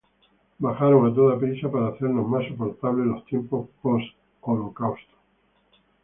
bajaron a toda prisa para hacernos más soportables los tiempos postholocausto